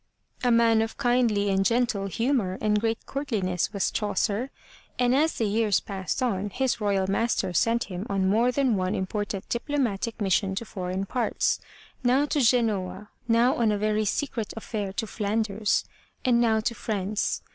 A man of kindly and gentle humor and great courtliness was Chaucer, and as the years passed on, his royal master sent him on more than one important diplomatic mission to foreign parts, now to Genoa, now on a very secret affair to Flanders, and now to France.